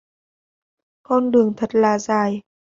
con đường thật là dài